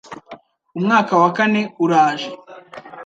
umwaka wa kane uraje